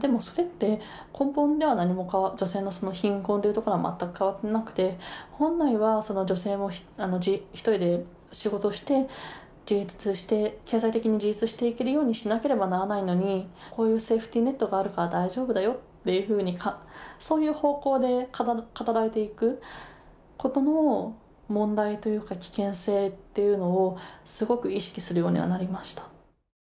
でもそれって根本では女性の貧困というところは全く変わってなくて本来は女性も一人で仕事して経済的に自立していけるようにしなければならないのにこういうセーフティーネットがあるから大丈夫だよっていうふうにそういう方向で語られていくことの問題というか危険性というのをすごく意識するようにはなりました。